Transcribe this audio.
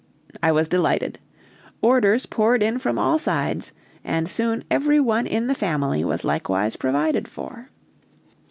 I was delighted; orders poured in from all sides, and soon every one in the family was likewise provided for.